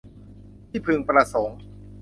ที่พึงประสงค์